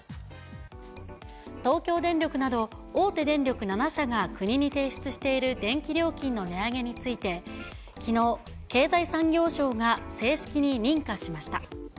東京電力など、大手電力７社が国に提出している電気料金の値上げについて、きのう、経済産業省が正式に認可しました。